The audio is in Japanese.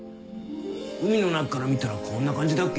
海の中から見たらこんな感じだっけ？